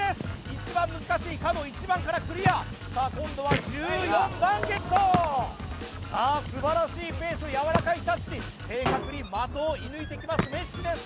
一番難しい角１番からクリアさあ今度は１４番ゲットさあ素晴らしいペースやわらかいタッチ正確に的を射ぬいてきますメッシです